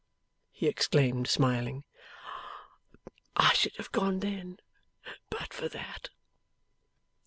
he exclaimed, smiling. 'I should have gone then, but for that!